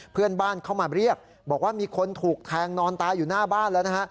เพื่อนบ้านเข้ามาเรียกบอกว่ามีคนถูกแทงนอนตายอยู่หน้าบ้านแล้วนะฮะ